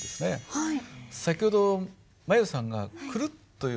はい。